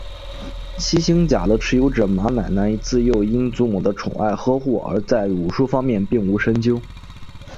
七星甲的持有者马奶奶自幼因祖母的宠爱呵护而在武术方面并无深究。